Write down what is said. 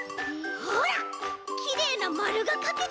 ほらきれいなまるがかけた！